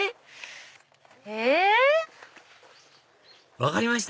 ⁉分かりました？